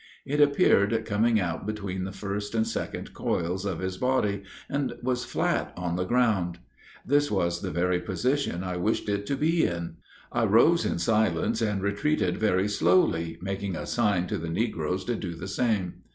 It appeared coming out between the first and second coils of his body, and was flat on the ground. This was the very position I wished it to be in. I rose in silence, and retreated very slowly, making a sign to the negroes to do the same.